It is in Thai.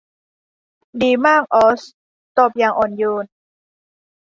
ดีมากออซตอบอย่างอ่อนโยน